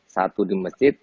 satu di masjid